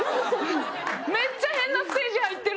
めっちゃ変なステージ入ってるやん！